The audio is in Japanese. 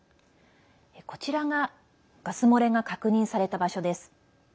こちらがガス漏れが確認された場所です。